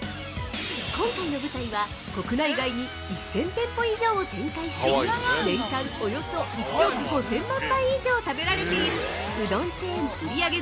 ◆今回の舞台は、国内外に１０００店舗以上を展開し年間およそ１億５０００万杯以上食べられている、うどんチェーン売り上げ